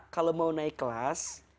kalau mau naik kelas